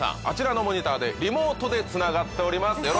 あちらのモニターでリモートでつながっております。